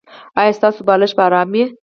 ایا ستاسو بالښت به ارام وي؟